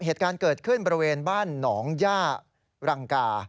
เหตุการณ์เกิดขึ้นบริเวณบ้านหนองย่ารังกา